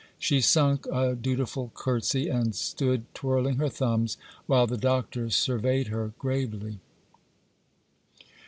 She sunk a dutiful curtsy, and stood twirling her thumbs, while the Doctor surveyed her gravely.